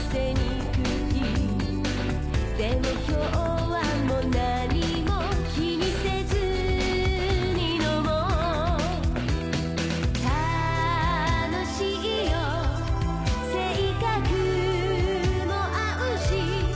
「でも今日はもう何も気にせずに飲もう」「楽しいよ性格も合うし」